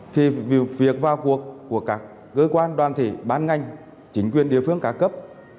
thì việc vào cuộc của các cơ quan đoàn thể bán ngành chính quyền địa phương cá cấp